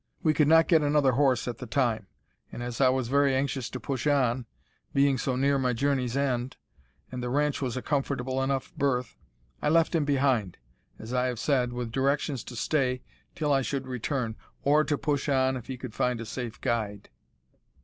We could not get another horse at the time, and as I was very anxious to push on being so near my journey's end and the ranch was a comfortable enough berth, I left him behind, as I have said, with directions to stay till I should return, or to push on if he could find a safe guide."